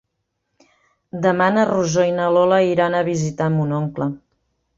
Demà na Rosó i na Lola iran a visitar mon oncle.